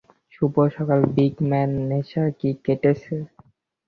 শুভ সকাল, big man নেশা কি কেটেছে?